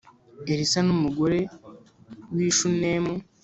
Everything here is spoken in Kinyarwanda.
Elisa n umugore w i Shunemu